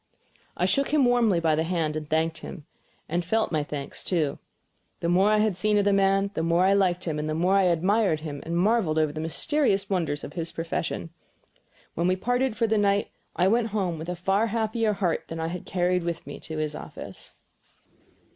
I shook him warmly by the hand and thanked him; and I FELT my thanks, too. The more I had seen of the man the more I liked him and the more I admired him and marveled over the mysterious wonders of his profession. Then we parted for the night, and I went home with a far happier heart than I had carried with me to his office.